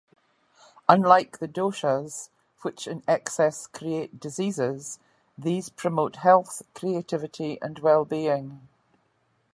Unlike the doshas, which in excess create diseases, these promote health, creativity and well-being.